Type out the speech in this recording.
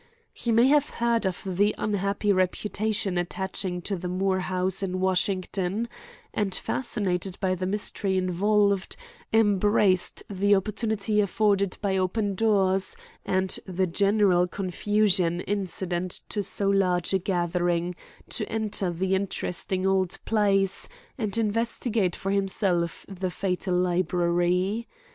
He may have heard of the unhappy reputation attaching to the Moore house in Washington and, fascinated by the mystery involved, embraced the opportunity afforded by open doors and the general confusion incident to so large a gathering to enter the interesting old place and investigate for himself the fatal library.